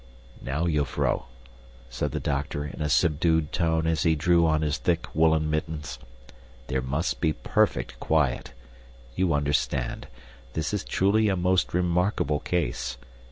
"Now, jufvrouw," said the doctor in a subdued tone as he drew on his thick woolen mittens, "there must be perfect quiet. You understand. This is truly a most remarkable case.